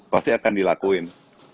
pasti akan dilakuin